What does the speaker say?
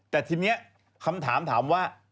แต่ทีนี้คำถามถามว่า